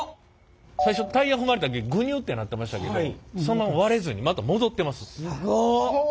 最初タイヤ踏まれた時グニュッてなってましたけどそのまま割れずにまた戻ってます。